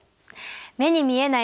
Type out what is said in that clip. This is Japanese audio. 目に見えない